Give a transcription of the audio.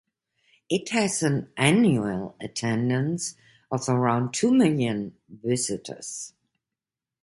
It has an annual attendance of around two million visitors.